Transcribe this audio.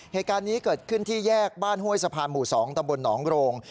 เหตุการณ์นี้เกิดขึ้นที่แยกบ้านห้วยสะพานหมู่๒ตำบลหนองโรง